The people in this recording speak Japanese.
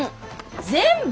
全部！？